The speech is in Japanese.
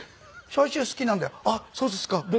「あっそうですか」。